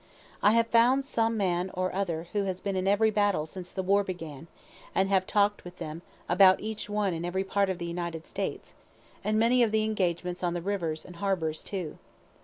I have found some man or other who has been in every battle since the war began, and have talk'd with them about each one in every part of the United States, and many of the engagements on the rivers and harbors too.